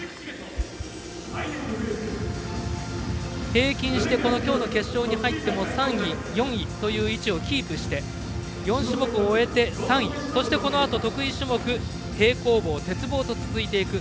平均して今日の決勝に入っても３位、４位という位置をキープして４種目を終えて３位そして、このあと得意種目平行棒、鉄棒と続いていく。